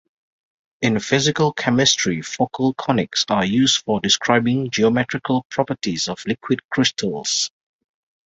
In Physical chemistry focal conics are used for describing geometrical properties of liquid crystals.